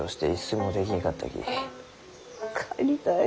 帰りたい。